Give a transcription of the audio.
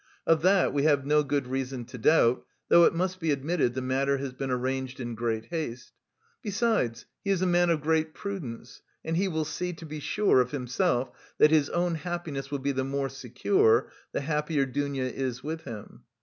Of that we have no good reason to doubt, though it must be admitted the matter has been arranged in great haste. Besides he is a man of great prudence and he will see, to be sure, of himself, that his own happiness will be the more secure, the happier Dounia is with him.